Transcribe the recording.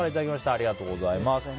ありがとうございます。